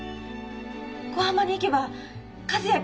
小浜に行けば和也